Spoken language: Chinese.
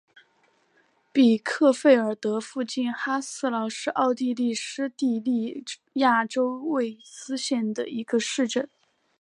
比克费尔德附近哈斯劳是奥地利施蒂利亚州魏茨县的一个市镇。